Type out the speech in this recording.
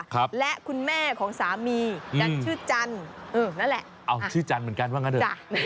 ครับและคุณแม่ของสามีอืมและชื่อจันเออนั่นแหละเอาชื่อจันเหมือนกันว่างั้นด้วย